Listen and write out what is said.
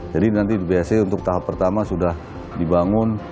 jadi nanti di bhc untuk tahap pertama sudah dibangun